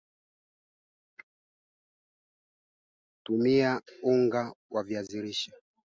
Mifugo mingine inayoathirika na ugonjwa wa damu kutoganda ni kondoo na mbuzi